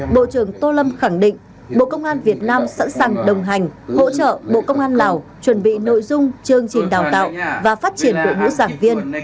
bộ trưởng tô lâm khẳng định bộ công an việt nam sẵn sàng đồng hành hỗ trợ bộ công an lào chuẩn bị nội dung chương trình đào tạo và phát triển đội ngũ giảng viên